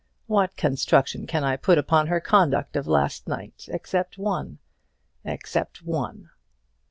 What construction can I put upon her conduct of last night except one except one?